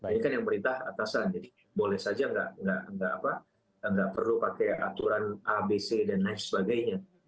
ini kan yang perintah atasan jadi boleh saja nggak perlu pakai aturan abc dan lain sebagainya